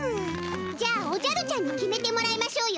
じゃあおじゃるちゃんに決めてもらいましょうよ。